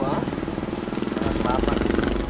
terima kasih mak mas